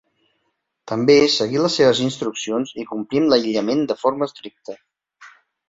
També seguir les seves instruccions i complir amb l'aïllament de forma estricta.